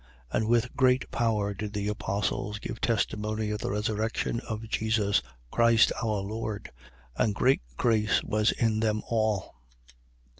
4:33. And with great power did the Apostles give testimony of the resurrection of Jesus Christ our Lord: and great grace was in them all.